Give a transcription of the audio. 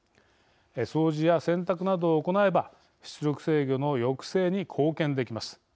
掃除や洗濯などを行えば出力制御の抑制に貢献できます。